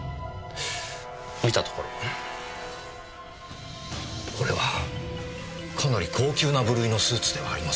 見たところこれはかなり高級な部類のスーツではありませんか？